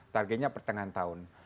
targetnya pertengahan tahun